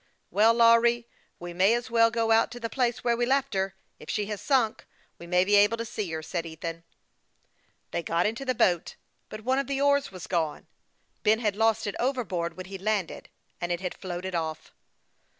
" Well, Lawry, we may as well go out to the place where we left her. If she has sunk, we may be able to see her," said Ethan. They got into the boat ; but one of the oars v\ us gone. Ben had lost it overboard when he landed, and it had floated off.